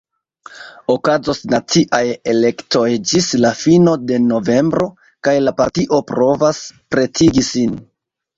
Okazos naciaj elektoj ĝis la fino de novembro, kaj la partioj provas pretigi sin.